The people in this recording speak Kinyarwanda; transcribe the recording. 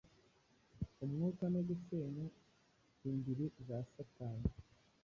umwuka no gusenya indiri za Satani.